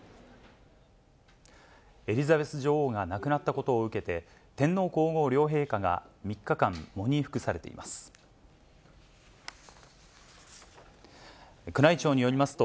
エリザベス女王が亡くなったことを受けて、天皇皇后両陛下が３日間、喪に服されています。